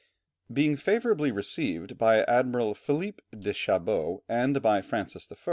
Being favourably received by Admiral Philippe de Chabot, and by Francis I.